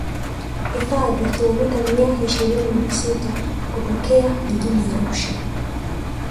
hifadhi kilomita mia ishirini na sita kutokea jijini arusha